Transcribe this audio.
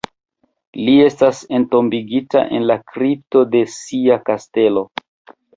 Li estas entombigita en la kripto de sia kastelo.